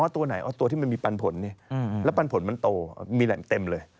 ตัวไหนเอาตัวที่มันมีปันผลแล้วปันผลมันโตมีแหล่งเต็มเลย